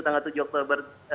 tanggal tujuh oktober